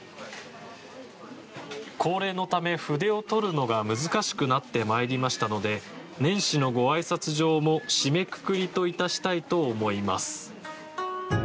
高齢のため、筆を執るのが難しくなってまいりましたので年始のごあいさつ状も締めくくりといたしたいと思います。